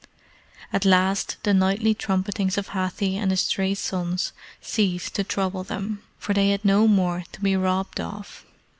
At last the nightly trumpetings of Hathi and his three sons ceased to trouble them; for they had no more to be robbed of.